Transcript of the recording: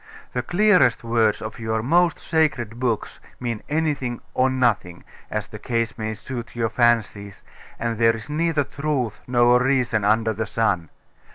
The clearest words of your most sacred books mean anything or nothing' as the case may suit your fancies; and there is neither truth nor reason under the sun.